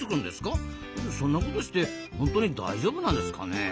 そんなことして本当に大丈夫なんですかねえ？